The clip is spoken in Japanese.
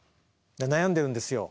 悩んでるんですよ。